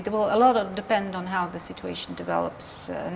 banyak yang bergantung pada bagaimana situasi berkembang